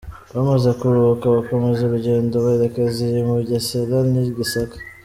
Bamaze kuruhuka bakomeza urugendo berekeza iy’i Bugesera n’i Gisaka.